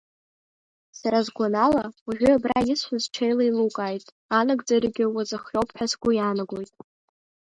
Сара сгәанала, уажәы абра исҳәаз ҽеила еилукааит, анагӡарагьы уазыхиоуп ҳәа сгәы иаанагоит.